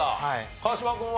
川島君は？